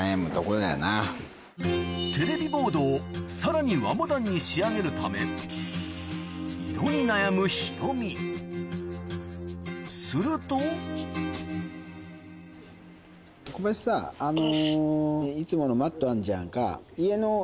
テレビボードをさらに和モダンに仕上げるためヒロミすると小林さあの。